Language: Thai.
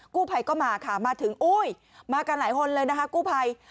กู้ไพก็มามาถึงเออมากันหลายคนเลยนะคะกู้ไพ